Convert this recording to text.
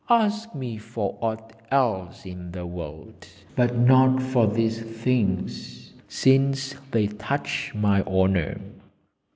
'Ask me for aught else in the world, but not for these things, since they touch my honour!'